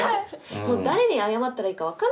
もう誰に謝ったらいいか分かんないもんね。